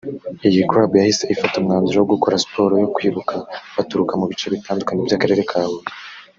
iyi Club yahise ifata umwanzuro wo gukora siporo yo kwiruka baturuka mu bice bitandukanye by’akarere ka Huye